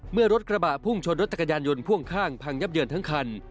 เมื่อรถกระบะพุ่งชนรถจักรยานยนต์พ่วงข้างพังยับเยินทั้งคัน